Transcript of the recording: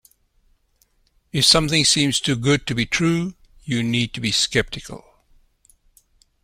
If something seems too good to be true, you need to be sceptical.